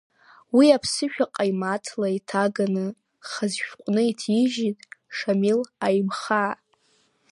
Уи аԥсышәа ҟаимаҭла еиҭаганы, хаз шәҟәны иҭижьит Шамил Аимхаа.